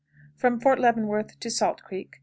From Fort Leavenworth to 2.88. Salt Creek.